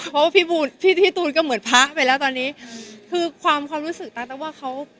เพราะว่าพี่พี่ตูนก็เหมือนพระไปแล้วตอนนี้คือความความรู้สึกตาต้องว่าเขา